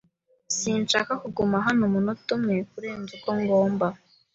Sinshaka kuguma hano umunota umwe kurenza uko ngomba.